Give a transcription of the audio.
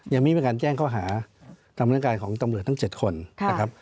ยังไม่มีการแจ้งข้อหาตามร่างกายของตำรวจทั้ง๗คนนะครับ